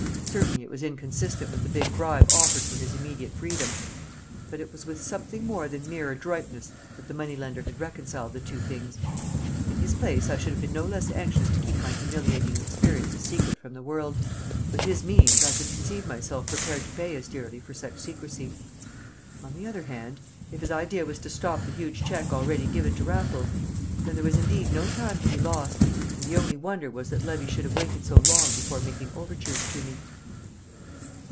Certainly it was inconsistent with the big bribe offered for his immediate freedom; but it was with something more than mere adroitness that the money lender had reconciled the two things. In his place I should have been no less anxious to keep my humiliating experience a secret from the world; with his means I could conceive myself prepared to pay as dearly for such secrecy. On the other hand, if his idea was to stop the huge cheque already given to Raffles, then there was indeed no time to be lost, and the only wonder was that Levy should have waited so long before making overtures to me.